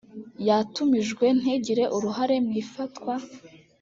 yatumijwe ntigira uruhare mu ifatwa